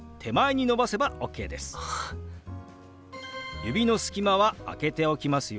指の隙間は空けておきますよ